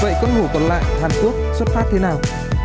vậy cận hổ còn lại hàn quốc xuất phát thế nào